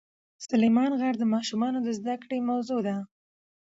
سلیمان غر د ماشومانو د زده کړې موضوع ده.